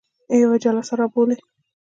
یوه جلسه را بولي.